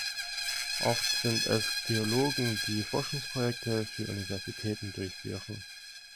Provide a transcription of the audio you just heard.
Oft sind es Geologen, die Forschungsprojekte für Universitäten durchführen.